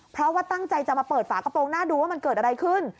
เพราะว่าตั้งใจจะมาเปิดฝากระโปรงหน้าดูว่ามันเกิดอะไรขึ้น